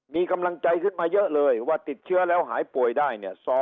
มีกำลังใจขึ้นมาเยอะเลยว่าติดเชื้อแล้วหายป่วยได้เนี่ย